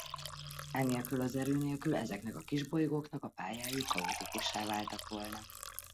Enélkül az erő nélkül ezeknek a kisbolygóknak a pályái kaotikussá váltak volna.